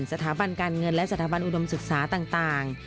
สถาบันการเงินและสถาบันอุดมศึกษาต่าง